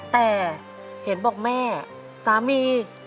แต่เห็นบอกแม่สามี